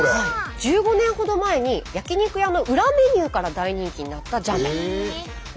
１５年ほど前に焼き肉屋の裏メニューから大人気になったジャン麺。